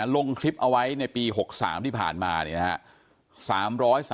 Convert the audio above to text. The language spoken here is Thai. ลงคลิปเอาไว้ในปี๖๓ที่ผ่านมาเนี่ยนะครับ